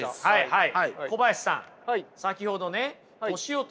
はい。